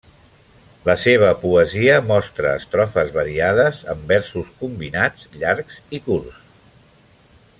La seva poesia mostra estrofes variades, amb versos combinats llargs i curts.